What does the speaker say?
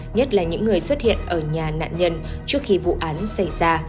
nhất là những người xuất hiện ở nhà nạn nhân trước khi vụ án xảy ra